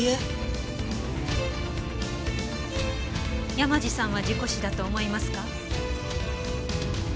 山路さんは事故死だと思いますか？